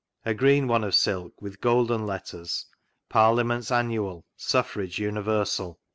A green one of silk, with golden letters, PARLIA MENTS ANNUAL, SUFFRAGE UNIVERSAL."